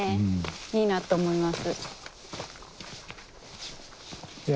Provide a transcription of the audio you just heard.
いいなと思います。